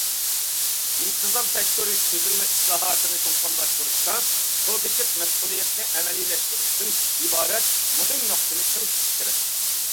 ئىنتىزام تەكشۈرۈش تۈزۈلمە ئىسلاھاتىنى چوڭقۇرلاشتۇرۇشتا سۇبيېكت مەسئۇلىيەتنى ئەمەلىيلەشتۈرۈشتىن ئىبارەت مۇھىم نۇقتىنى چىڭ تۇتۇش كېرەك.